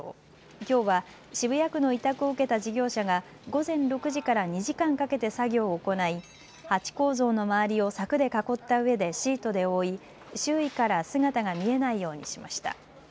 きょうは渋谷区の委託を受けた事業者が午前６時から２時間かけて作業を行いハチ公像の周りを柵で囲ったうえでシートで覆い周囲から姿が見えないようにしました。